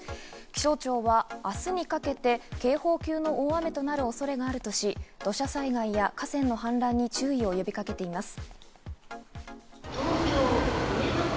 気象庁は明日にかけて警報級の大雨となる恐れがあるとし、土砂災害や河川の氾濫に注意を呼びかけています。